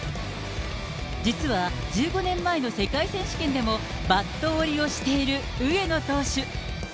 実は１５年前の世界選手権でも、バット折りをしている上野投手。